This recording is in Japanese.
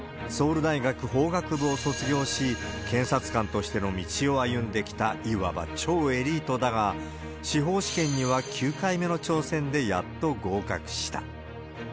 ソウル大学法学部を卒業し、検察官としての道を歩んできた、いわば超エリートだが、司法試験には９回目の挑戦でやっと合格した。